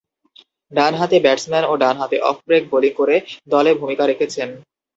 ডানহাতি ব্যাটসম্যান ও ডানহাতি অফ ব্রেক বোলিং করে দলে ভূমিকা রেখেছেন।